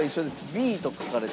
Ｂと書かれてます。